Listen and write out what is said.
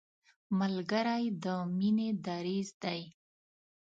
ملګری د مینې دریځ دی